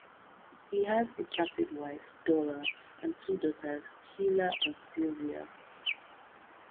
He has a placid wife, Dora, and two daughters, Sheila and Sylvia.